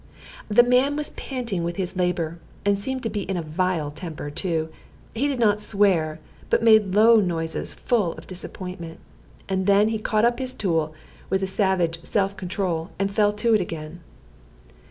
The man was panting with his labor, and seemed to be in a vile temper too. He did not swear, but made low noises full of disappointment. And then he caught up his tool, with a savage self control, and fell to again.